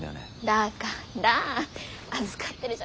だから預かってるじゃない。